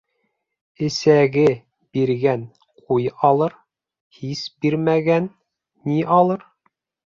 Эсәге биргән ҡуй алыр, һис бирмәгән ни алыр?